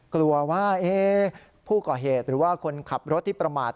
กลัวว่าผู้ก่อเหตุหรือว่าคนขับรถที่ประมาท